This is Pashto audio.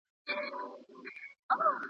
څه شی ډیموکراتیکي ټاکني له لوی ګواښ سره مخ کوي؟